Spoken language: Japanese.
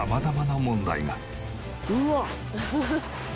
うわっ！